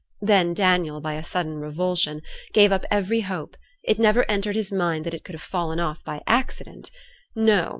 Then Daniel, by a sudden revulsion, gave up every hope; it never entered his mind that it could have fallen off by any accident. No!